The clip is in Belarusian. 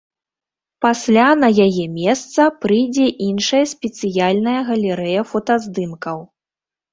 Пасля на яе месца прыйдзе іншая спецыяльная галерэя фотаздымкаў.